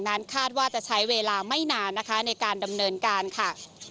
นั้นคาดว่าจะใช้เวลาไม่นานนะคะในการดำเนินการค่ะ